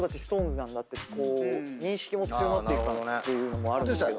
なんだって認識も強まっていくかなっていうのもあるんですけど。